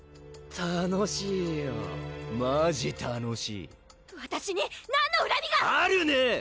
⁉楽しいよマジ楽しいわたしに何のうらみがあるね！